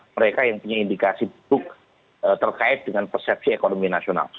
mereka yang punya indikasi buruk terkait dengan persepsi ekonomi nasional